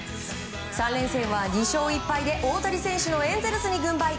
３連戦は２勝１敗で大谷選手のエンゼルスに軍配。